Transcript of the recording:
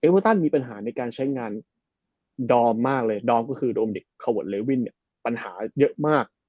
เป็นปัญหาในการใช้งานดอร์มมากเลยดอร์มก็คือโดมเด็กคาวอทเลวินปัญหาเยอะมาก